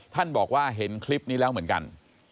ท่านบอกว่าเห็นคลิปนี้แล้วเหมือนกัน